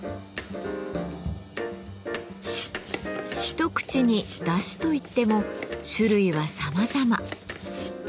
一口にだしといっても種類はさまざま。